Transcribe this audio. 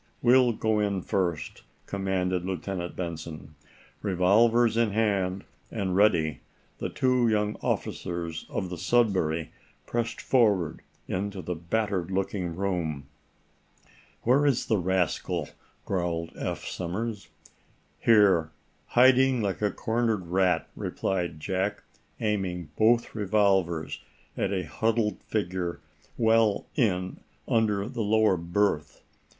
We'll go in first," commanded Lieutenant Benson. Revolvers in hand, and ready, the two young officers of the "Sudbury" pressed forward into the battered looking room. "Where is the rascal?" growled Eph Somers. "Here, hiding like a cornered rat," replied Jack, aiming both revolvers at a huddled figure well in under the lower berth.